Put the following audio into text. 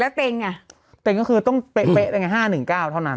แล้วเต็งอ่ะเต็งก็คือต้องเป๊ะแต่ไง๕๑๙เท่านั้น